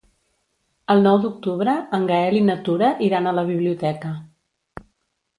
El nou d'octubre en Gaël i na Tura iran a la biblioteca.